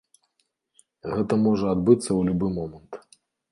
Гэта можа адбыцца ў любы момант.